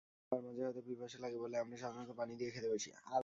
খাওয়ার মাঝে হয়তো পিপাসা লাগে বলে আমরা সাধারণত পানি নিয়ে খেতে বসি।